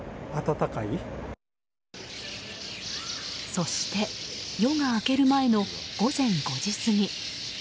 そして夜が明ける前の午前５時過ぎ。